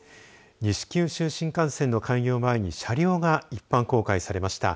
西九州新幹線の開業を前に車両が一般公開されました。